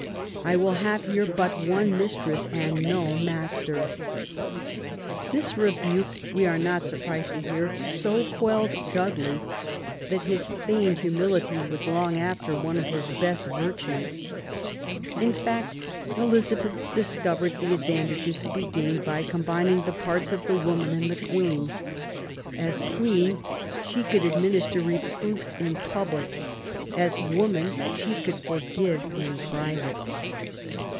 I will have here but one mistress, and no master." This rebuke, we are not surprised to hear, so quelled Dudley " that his feigned humility was long after one of his best virtues ". In PROBLEMS OF THE REIGN, 79 fact, Elizabeth discovered the advantages to be gained by combining the parts of the woman and the Queen. As Queen, she could administer reproofs in public ; as woman she could forgive in private.